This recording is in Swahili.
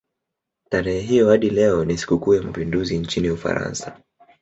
Tarehe hiyo hadi leo ni sikukuu ya mapinduzi nchini Ufaransa.